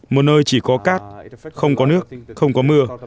một nơi chỉ có cát không có nước không có mưa